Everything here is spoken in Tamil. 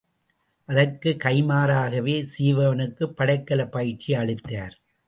அதற்குக் கைம்மாறாகவே சீவகனுக்குப் படைக்கலப் பயிற்சி அளித்தார்.